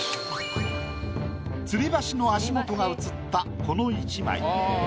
吊り橋の足元が写ったこの一枚。